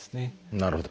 なるほど。